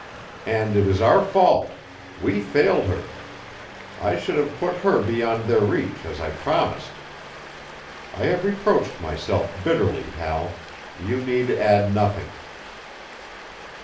"And it is our fault; we failed her. I should have put her beyond their reach, as I promised. I have reproached myself bitterly, Hal; you need add nothing."